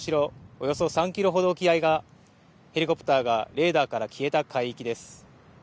およそ３キロほど沖合がヘリコプターがレーダーから消えた海域です。